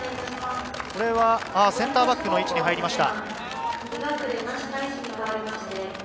センターバックの位置に入りました。